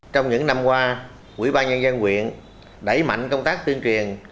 trong những năm qua quỹ ba nhân dân quyện đẩy mạnh công tác tuyên truyền